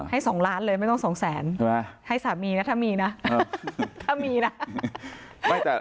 ให้๒ล้านเลยไม่ต้องสองแสนให้สามีนะถ้ามีนะ